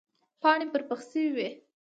پاڼې پر پخڅې وې.